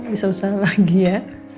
bisa usah lagi ya